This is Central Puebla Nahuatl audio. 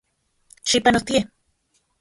Xipanotie.